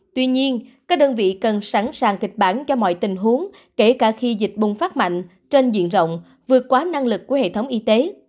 tuy nhiên các đơn vị cần sẵn sàng kịch bản cho mọi tình huống kể cả khi dịch bùng phát mạnh trên diện rộng vượt quá năng lực của hệ thống y tế